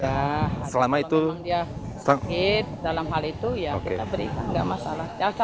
ada kalau memang dia sakit dalam hal itu ya kita berikan nggak masalah